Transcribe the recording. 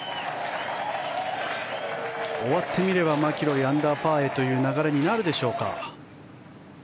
終わってみればマキロイアンダーパーでという流れになるか。